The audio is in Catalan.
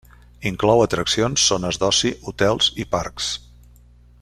Inclou atraccions, zones d'oci, hotels i parcs.